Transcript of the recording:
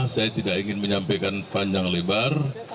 saya tidak ingin menyampaikan panjang lebar